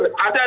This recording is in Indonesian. nah orang kpk